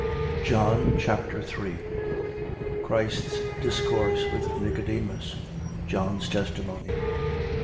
John Chapter 3 Christ's discourse with Nicodemus. John's testimony.